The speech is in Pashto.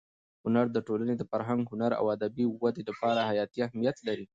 هنر د ټولنې د فرهنګ، هنر او ادبي ودې لپاره حیاتي اهمیت لري.